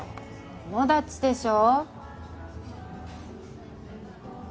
友達でしょ。